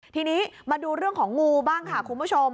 ทีนี้มาดูเรื่องของงูบ้างค่ะคุณผู้ชม